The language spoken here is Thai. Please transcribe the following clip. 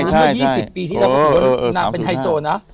นั่งเป็นไทยโซนนะ